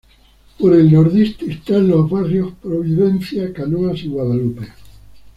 Por el Nordeste están los barrios: Providencia, Canoas y Guadalupe.